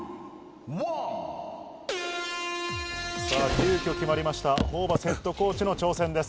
さあ、急きょ決まりました、ホーバスヘッドコーチの挑戦です。